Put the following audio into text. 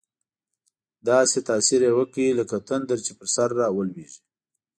داسې تاثیر یې وکړ، لکه تندر چې پر سر راولوېږي.